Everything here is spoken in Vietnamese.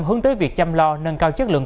hướng tới việc chăm lo nâng cao chất lượng